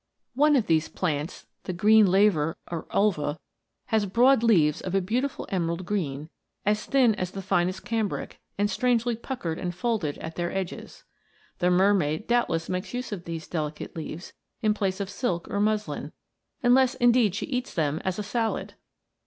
One of these plants has broad leaves of a beautiful emerald green, as thin as the finest cambric, and strangely puckered and folded at their edges.* The mermaid doubtless makes use of these delicate leaves in place of silk or muslin, unless indeed she eats them as a salad.